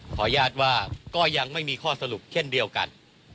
ก็ยังไม่มีข้อสรุปเช่นเดียวกัน